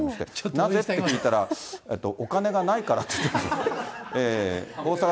なぜ？って今聞いたら、お金がないからって言ってました。